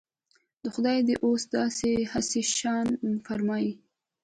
د خدای دی اوس دا هسي شان فرمان.